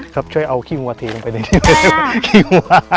ครับช่วยเอาขี้หัวทีลงไปนิดหนึ่งอะไรอ่ะขี้หัว